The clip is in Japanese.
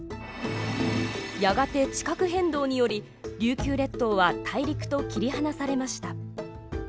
やがて地殻変動により琉球列島は大陸と切り離されました。